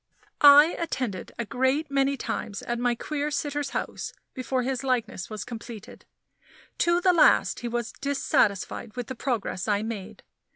I attended a great many times at my queer sitter's house before his likeness was completed. To the last he was dissatisfied with the progress I made.